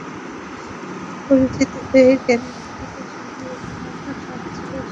পরিচিত হয়েছি জ্ঞানী ব্যক্তিদের সঙ্গে এবং অন্য সাত জেলার শিক্ষার্থী বন্ধুদের সঙ্গেও।